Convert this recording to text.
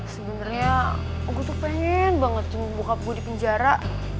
sebenernya gue tuh pengen banget nunggu bokap gue di penjara